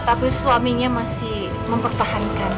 tapi suaminya masih mempertahankan